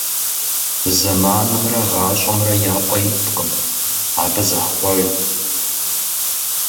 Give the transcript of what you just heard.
Зэманымрэ гъащӀэмрэ я пӀэ иткъым, абы захъуэж.